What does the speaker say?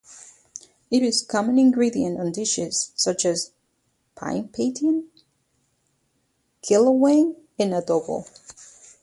It is a common ingredient on dishes such as pinapaitan, kilawin and adobo.